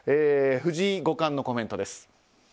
藤井五冠のコメントです。